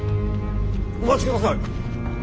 お待ちください。